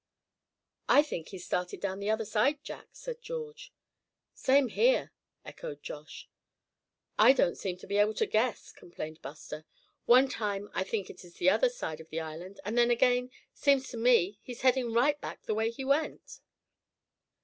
"I think he's started down the other side, Jack," said George. "Same here," echoed Josh. "I don't seem to be able to guess," complained Buster, "one time I think it is the other side of the island and then again seems to me he's heading right back the way he went."